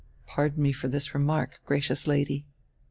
Pardon me for this remark, gracious Lady."